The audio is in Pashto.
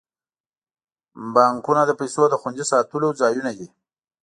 بانکونه د پیسو د خوندي ساتلو ځایونه دي.